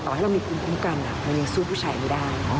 ให้เรามีภูมิคุ้มกันมันยังสู้ผู้ชายไม่ได้